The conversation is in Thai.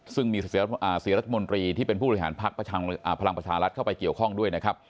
ซึ่งมีเสียรัฐมนตรีที่เป็นผู้บริหารพักพลังประชารัฐเข้าไปเกี่ยวข้องด้วยนะครับ